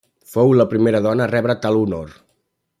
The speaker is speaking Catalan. Fou la primera dona a rebre tal honor.